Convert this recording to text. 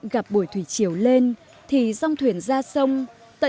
gặp buổi thủy chiều lên thì dòng thuyền ra sông tận hưởng cảm giác của thuyền